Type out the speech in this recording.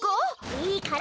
いいから！